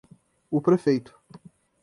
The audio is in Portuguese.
o prefeito;